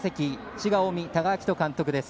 滋賀、近江多賀章仁監督です。